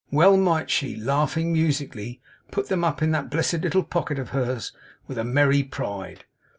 Well might she, laughing musically, put them up in that blessed little pocket of hers with a merry pride!